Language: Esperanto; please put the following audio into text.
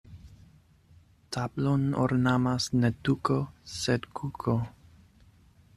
Tablon ornamas ne tuko, sed kuko.